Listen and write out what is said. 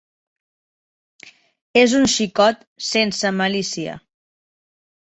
És un xicot sense malícia.